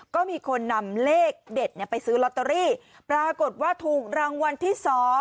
ก็มีคนนำเลขเด็ดไปซื้อลอตเตอรี่ปรากฏว่าถูกรางวัลที่๒